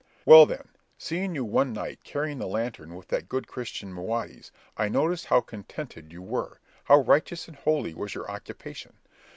Well, then, seeing you one night carrying the lantern with that good Christian Mahudes, I noticed how contented you were, how righteous and holy was your occupation.